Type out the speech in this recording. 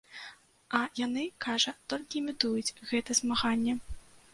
А яны, кажа, толькі імітуюць гэта змаганне.